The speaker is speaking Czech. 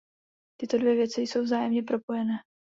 Tyto dvě věci jsou vzájemně propojené.